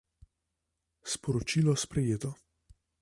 Sporočilo sprejeto.